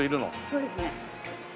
そうですね。